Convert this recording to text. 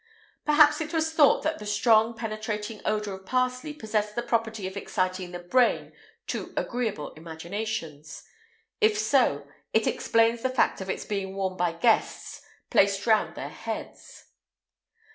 [IX 197] Perhaps it was thought that the strong, penetrating odour of parsley possessed the property of exciting the brain to agreeable imaginations; if so, it explains the fact of its being worn by guests, placed round their heads.